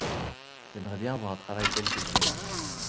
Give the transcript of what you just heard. J'aimerais bien avoir un travail tel que celui-là.